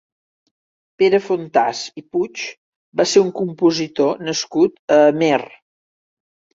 Pere Fontàs i Puig va ser un compositor nascut a Amer.